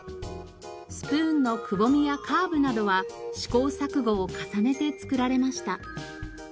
スプーンのくぼみやカーブなどは試行錯誤を重ねて作られました。